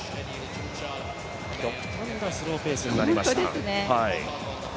極端なスローペースになりました。